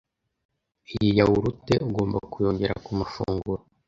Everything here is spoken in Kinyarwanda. iyi yawurute ugomba kuyongera ku mafunguro